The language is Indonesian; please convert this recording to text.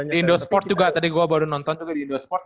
di indosport juga tadi gue baru nonton juga di indosport